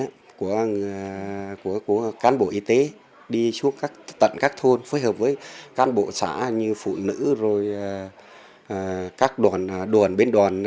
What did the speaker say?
cái lượng tuyên truyền của cán bộ y tế đi xuống tận các thôn phối hợp với cán bộ xã như phụ nữ các đoàn đoàn bên đoàn